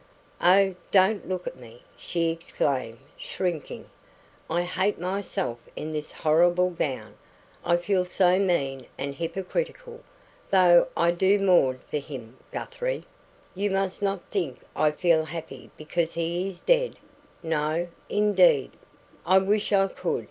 "Oh, don't look at me!" she exclaimed, shrinking. "I hate myself in this horrible gown I feel so mean and hypocritical though I do mourn for him, Guthrie. You must not think I feel happy because he is dead no, indeed; I wish I could!